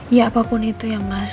ya apapun itu ya mas